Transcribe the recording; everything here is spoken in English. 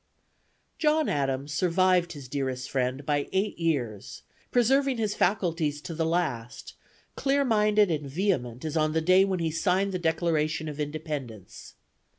John Adams survived his dearest friend by eight years, preserving his faculties to the last, clear minded and vehement as on the day when he signed the Declaration of Independence.